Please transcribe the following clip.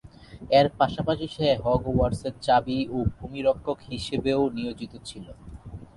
এর পাশাপাশি সে হগওয়ার্টসের চাবি ও ভূমির রক্ষক হিসেবেও নিয়োজিত ছিল।